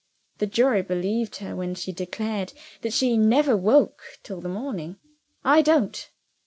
The jury believed her when she declared that she never woke till the morning. I don't."